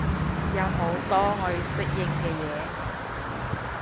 有好多我要適應嘅嘢